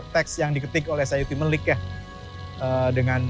teks yang diketik oleh sayuti melik ya dengan